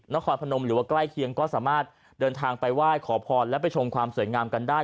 นครพนมหรือว่าใกล้เคียงก็สามารถเดินทางไปไหว้ขอพรและไปชมความสวยงามกันได้